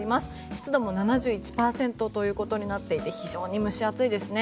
湿度も７１％ということになっていて非常に蒸し暑いですね。